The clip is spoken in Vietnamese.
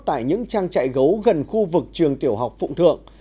tại những trang trại gấu gần khu vực trường tiểu học phụng thượng